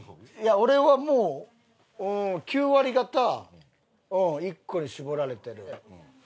俺はもう９割方１個に絞られてる。